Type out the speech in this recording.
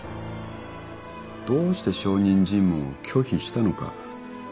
どうして証人尋問を拒否したのか。